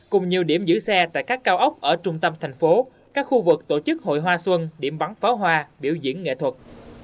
cùng nhiều điểm giữ xe tại các cao ốc ở trung tâm thành phố các khu vực tổ chức hội hoa xuân điểm bắn pháo hoa biểu diễn nghệ thuật